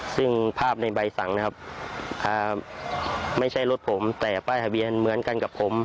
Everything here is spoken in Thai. ซึ่งภาพในใบสั่งนะครับไม่ใช่รถผมแต่ป้ายทะเบียนเหมือนกันกับผม